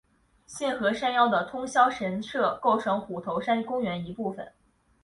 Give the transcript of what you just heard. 现和山腰的通霄神社构成虎头山公园一部分。